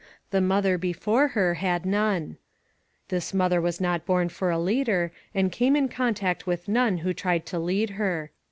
The mother, before her, had none. This mother was not born for a leader, and came in contact with none who tried to lead her.